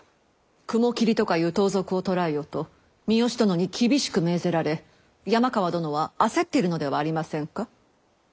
雲霧とかいう盗賊を捕らえよと三好殿に厳しく命ぜられ山川殿は焦っているのではありませんか？